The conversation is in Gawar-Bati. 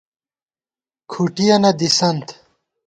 کھُٹِیَنہ دِسَنت